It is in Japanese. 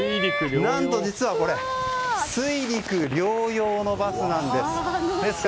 何と実は水陸両用のバスなんです。